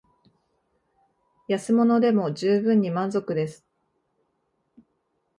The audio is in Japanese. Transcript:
安物でも充分に満足です